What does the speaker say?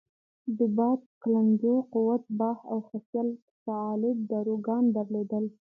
د باد کلنجو، قوت باه او خصیه الصعالب داروګان درلودل.